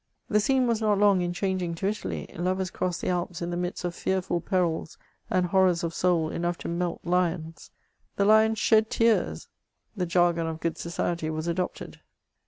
The scene was not long in changing to Italy ; lovers crossed the Alps in the midst of fearful perils and horrors of soul enough to melt lions ; the lion shed tears I the jargon of g^od society was adopted.